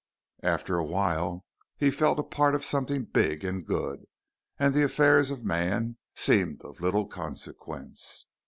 After a while he felt a part of something big and good, and the affairs of man seemed of little consequence.